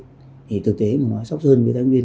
thì thực tế mà nó sắp sơn với thái nguyên